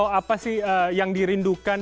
boleh tahu apa sih yang dirindukan